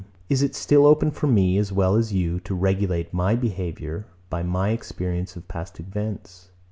It is still open for me, as well as you, to regulate my behaviour, by my experience of past events.